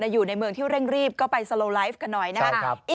อยู่ในเมืองที่เร่งรีบก็ไปสโลไลฟ์กันหน่อยนะครับ